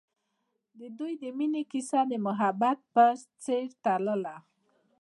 د دوی د مینې کیسه د محبت په څېر تلله.